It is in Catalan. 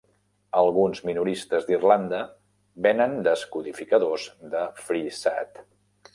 Alguns minoristes d'Irlanda venen descodificadors de Freesat.